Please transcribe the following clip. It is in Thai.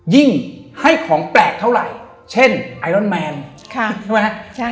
ยิ่งให้ของแปลกเท่าไหร่เช่นไอรอนแมนใช่ไหม